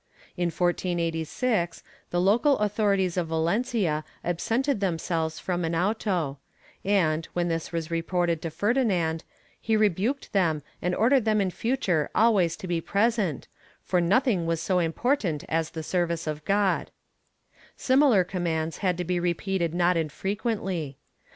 In 1486, the local authorities of Valencia absented themselves from an auto and, when this was reported to Ferdinand, he rebuked them and ordered them in future always to be present, for nothing was so important as the service of God/ Similar commands had to be repeated not infrequently.